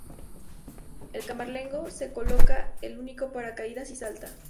El camarlengo se coloca el único paracaídas y salta.